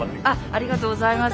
ありがとうございます。